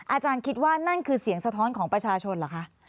อาจารย์คิดว่านั่นคือเสียงสะท้อนของประชาชนเหรอคะ